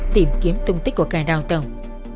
tìm kiếm thông tích của cài đào tầng